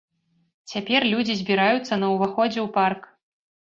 Цяпер людзі збіраюцца на ўваходзе ў парк.